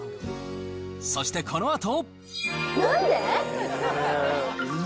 そしてこのあと。